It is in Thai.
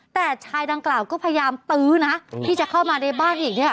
แต่ชายดังกล่าวก็พยายามตื้อนะที่จะเข้ามาในบ้านอีกเนี่ย